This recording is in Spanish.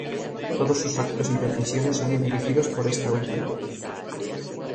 Todos sus actos y decisiones son dirigidos por esta última.